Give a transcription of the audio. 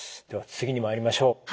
では次にまいりましょう。